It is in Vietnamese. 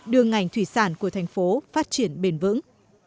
đưa ngành thủy sản của thành phố phát triển bền vững